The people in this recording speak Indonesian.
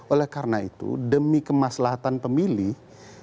oleh karena itu demi kemaslahatan pemilih